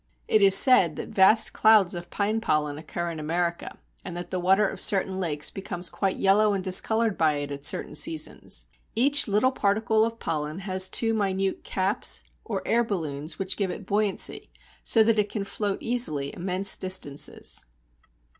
It is said that vast clouds of pine pollen occur in America, and that the water of certain lakes becomes quite yellow and discoloured by it at certain seasons. Each little particle of pollen has two minute caps or air balloons which give it buoyancy, so that it can float easily immense distances.